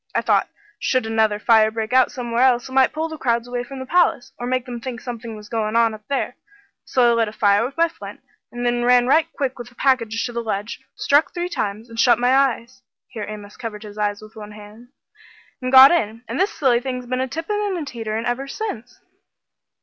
I thought should another fire break out somewhere else, it might pull the crowds away from the palace, or make them think something was goin' on up there. So I lit a fire with my flint, and then ran right quick with the package to the ledge, struck three times, and shut my eyes" here Amos covered his eyes with one hand "and got in. And this silly thing's been a tippin' and a teeterin' ever since."